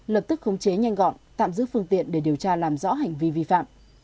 lập tức khống chế nhanh gọn tạm giữ phương tiện để điều tra làm rõ hành vi vi phạm